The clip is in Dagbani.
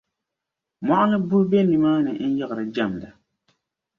mɔɣu ni buhi be nimaani n-yiɣiri jamda.